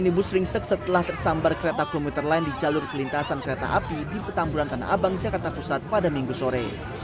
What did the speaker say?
minibus ringsek setelah tersambar kereta komuter lain di jalur pelintasan kereta api di petamburan tanah abang jakarta pusat pada minggu sore